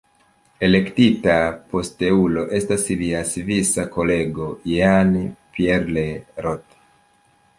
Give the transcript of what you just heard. Elektita posteulo estas lia svisa kolego Jean-Pierre Roth.